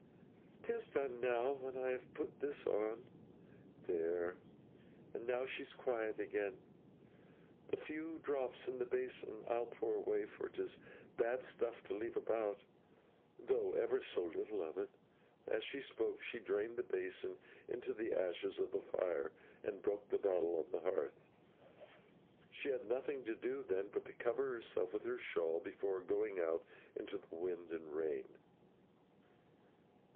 'Tis done now, when I have put this on. There! And now she's quiet again. The few drops in the basin I'll pour away, for 'tis bad stuff to leave about, though ever so little of it.' As she spoke, she drained the basin into the ashes of the fire, and broke the bottle on the hearth. She had nothing to do, then, but to cover herself with her shawl before going out into the wind and rain.